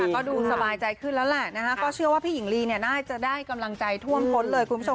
ก็ดูสบายใจขึ้นแล้วแหละนะคะก็เชื่อว่าพี่หญิงลีเนี่ยน่าจะได้กำลังใจท่วมพ้นเลยคุณผู้ชม